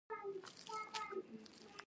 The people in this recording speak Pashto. نهه سوه یو اویا تنه ووژل شول.